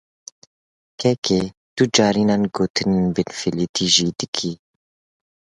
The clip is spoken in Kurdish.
Kekê tu carinan gotinên binfilitî jî dikî.